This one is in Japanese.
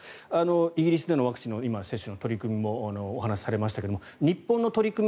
イギリスでのワクチン接種の取り組みも今お話をされましたが日本の取り組み